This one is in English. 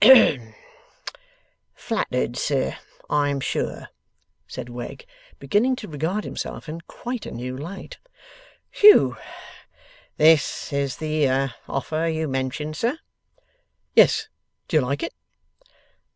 'Hem! Flattered, sir, I am sure,' said Wegg, beginning to regard himself in quite a new light. 'Hew! This is the offer you mentioned, sir?' 'Yes. Do you like it?